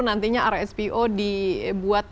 nantinya rspo dibuat